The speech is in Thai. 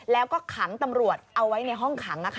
แล้วก็ขังตำรวจเอาไว้ในห้องขัง